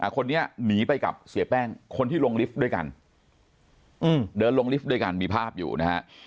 คนนี้หนีไปกับเสียแป้งคนที่ลงลิฟต์ด้วยกันเดินลงลิฟต์ด้วยกันมีภาพอยู่นะฮะ